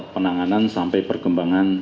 penanganan sampai perkembangan